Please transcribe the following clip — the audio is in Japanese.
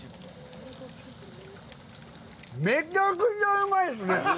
めちゃくちゃうまいですね！